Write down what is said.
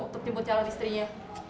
untuk jemput calon istrinya